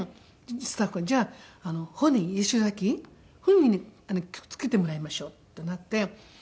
スタッフが「じゃあ本人八代亜紀本人に曲付けてもらいましょう」ってなって。